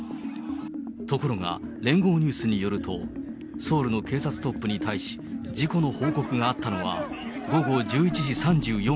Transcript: ところが、聯合ニュースによると、ソウルの警察トップに対し、事故の報告があったのは、午後１１時３４分。